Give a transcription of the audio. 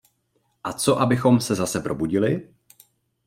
A co abychom se zase probudili?